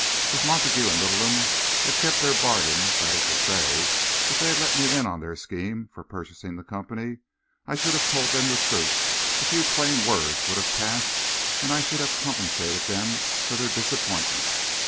If Montague and Littleham had kept their bargain that is to say if they had let me into their scheme for purchasing the Company I should have told them the truth, a few plain words would have passed, and I should have compensated them for their disappointment.